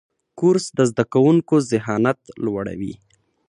کورس د زده کوونکو ذهانت لوړوي.